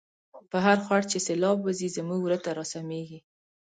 په هرخوړ چی سیلاب وزی، زمونږ وره ته را سمیږی